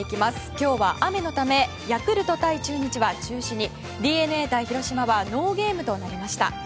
今日は雨のためヤクルト対中日は中止にＤｅＮＡ対広島はノーゲームとなりました。